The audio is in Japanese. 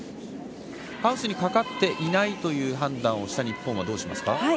ハウスにかかっていないという判断をした日本はどうしますか？